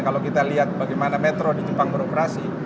kalau kita lihat bagaimana metro di jepang beroperasi